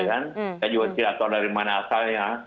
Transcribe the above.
saya juga tidak tahu dari mana asalnya